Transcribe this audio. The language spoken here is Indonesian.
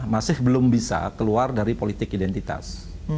masih belum bisa keluar dari politik identitas